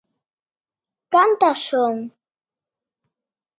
¿Cantas son?